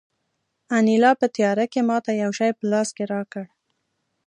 انیلا په تیاره کې ماته یو شی په لاس کې راکړ